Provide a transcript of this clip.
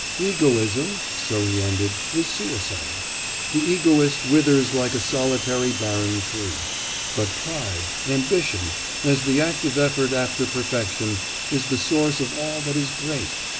'Egoism,' so he ended, 'is suicide. The egoist withers like a solitary barren tree; but pride, ambition, as the active effort after perfection, is the source of all that is great....